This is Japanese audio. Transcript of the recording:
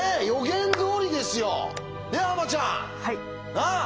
なあ？